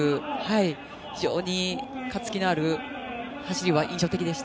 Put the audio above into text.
非常に勝ち気のある走りが印象的でした。